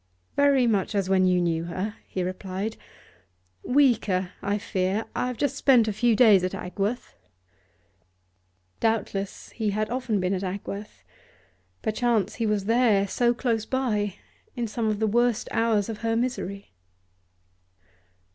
'Very much as when you knew her,' he replied. 'Weaker, I fear. I have just spent a few days at Agworth.' Doubtless he had often been at Agworth; perchance he was there, so close by, in some of the worst hours of her misery.